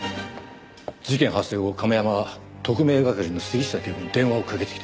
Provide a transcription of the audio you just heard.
事件発生後亀山は特命係の杉下警部に電話をかけてきています。